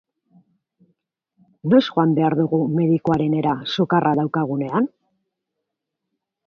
Noiz joan behar dugu medikuarenera sukarra daukagunean?